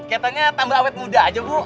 katanya tambah awet muda aja bu